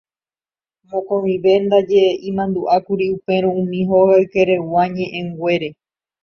Mokõive ndaje imandu'ákuri upérõ umi hogaykeregua ñe'ẽnguére.